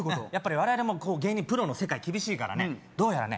我々も芸人プロの世界厳しいからどうやらね